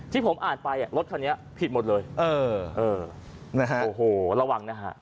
ที่ผมอ่านไปรถคันนี้ผิดหมดเลยระวังนะฮะ